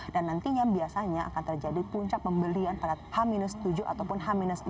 dan nantinya biasanya akan terjadi puncak pembelian pada h tujuh ataupun h empat